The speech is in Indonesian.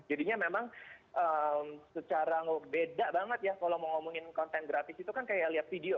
jadinya memang secara beda banget ya kalau mau ngomongin konten gratis itu kan kayak lihat video